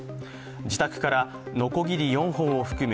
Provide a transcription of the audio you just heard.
自宅から、のこぎり４本を含む